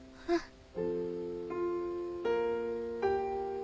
あっ。